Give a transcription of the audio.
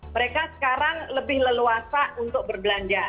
mereka sekarang lebih leluasa untuk berbelanja